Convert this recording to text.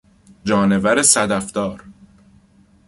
جانور صدف دار